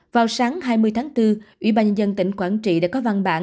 vào sáng hai mươi tháng bốn ủy ban nhân dân tỉnh quảng trị đã có văn bản